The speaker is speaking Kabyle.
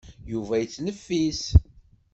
Yuba yettneffis.